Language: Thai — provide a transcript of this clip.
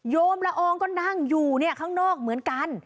โยมละอองก็นั่งอยู่ข้างนอกเหมือนกัน